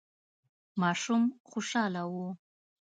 ماشوم خوشاله و.